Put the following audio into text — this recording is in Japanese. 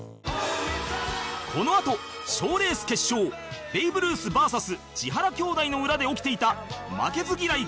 このあと賞レース決勝ベイブルース ＶＳ 千原兄弟の裏で起きていた負けず嫌い